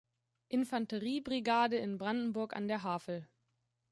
Infanterie-Brigade in Brandenburg an der Havel.